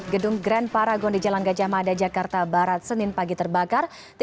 gedung grand paragon di jalan gajah mada jakarta barat senin pagi terbakar